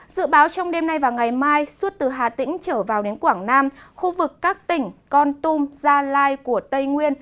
dự báo trong đêm nay và ngày mai suốt từ hà tĩnh trở vào đến quảng nam khu vực các tỉnh con tum gia lai của tây nguyên